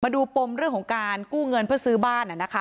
ดูปมเรื่องของการกู้เงินเพื่อซื้อบ้าน